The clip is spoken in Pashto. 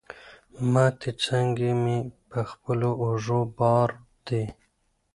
ماتي څانګي مي په خپلو اوږو بار دي